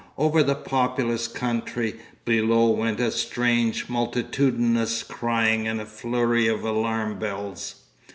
Over the populous country below went a strange multitudinous crying and a flurry of alarm bells....